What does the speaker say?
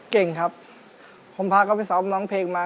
เก่งครับผมพาเขาไปซ้อมร้องเพลงมา